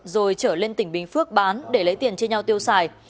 rồi trở lên tỉnh bình phước bán để lấy tiền chia nhau tiêu xài